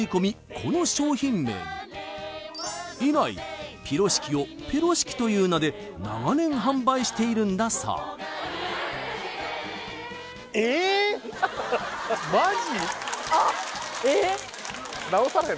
この商品名に以来ピロシキをペロシキという名で長年販売しているんだそうマジ！？